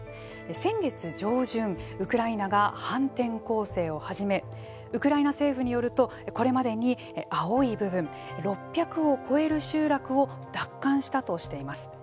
先月上旬、ウクライナが反転攻勢を始めウクライナ政府によるとこれまでに青い部分６００を超える集落を奪還したとしています。